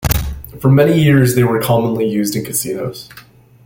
For many years, they were commonly used in casinos.